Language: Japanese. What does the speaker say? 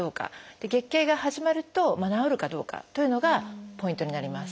月経が始まると治るかどうかというのがポイントになります。